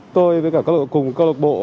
tôi với cả cùng câu lạc bộ